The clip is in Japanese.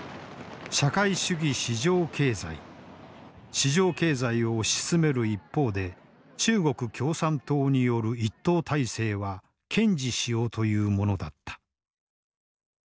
市場経済を推し進める一方で中国共産党による一党体制は堅持しようというものだった。